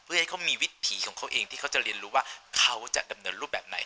เพื่อให้เขามีวิถีของเขาเองที่เขาจะเรียนรู้ว่าเขาจะดำเนินรูปแบบไหน